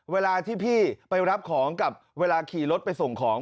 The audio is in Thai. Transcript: เวลาที่พี่ไปรับของกับเวลาขี่รถไปส่งของ